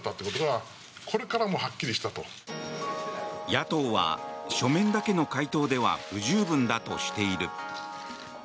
野党は書面だけの回答では不十分だとしている。